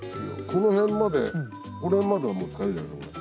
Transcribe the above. この辺までこの辺まではもう使えるじゃないですかこれ。